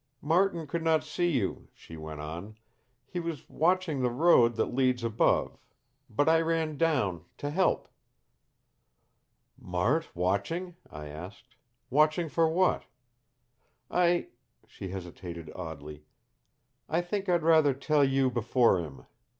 "Martin could not see you," she went on. "He was watching the road that leads above. But I ran down to help." "Mart watching?" I asked. "Watching for what?" "I " she hesitated oddly. "I think I'd rather tell you before him.